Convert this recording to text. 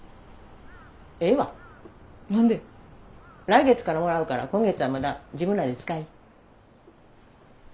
来月からもらうから今月はまだ自分らで使い。